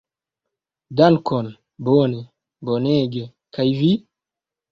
Dankon, bone, bonege, kaj vi?